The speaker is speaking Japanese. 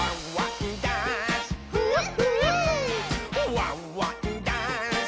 「ワンワンダンス！」